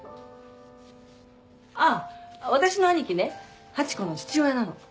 あっ私の兄貴ねハチ子の父親なの。